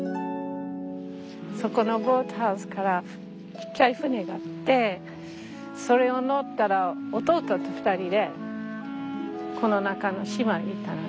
そこのボートハウスからちっちゃい舟があってそれを乗ったら弟と２人でこの中の島に行ったのね。